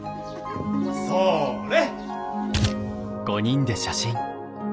それ！